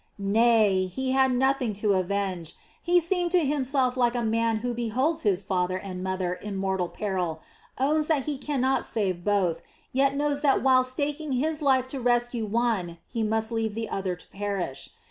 Nay; he had nothing to avenge; he seemed to himself like a man who beholds his father and mother in mortal peril, owns that he cannot save both, yet knows that while staking his life to rescue one he must leave the other to perish.